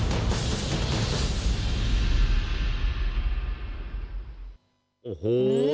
โอ้โห